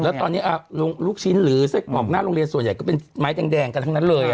แล้วตอนนี้ลูกชิ้นหรือไส้กรอกหน้าโรงเรียนส่วนใหญ่ก็เป็นไม้แดงกันทั้งนั้นเลย